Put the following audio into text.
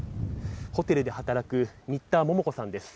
ホテルで働く新田桃子さんです。